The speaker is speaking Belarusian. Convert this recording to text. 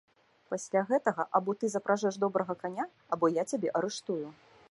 Пасля гэтага або ты запражэш добрага каня, або я цябе арыштую.